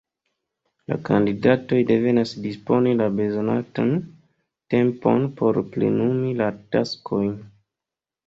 La kandidatoj devas disponi la bezonatan tempon por plenumi la taskojn.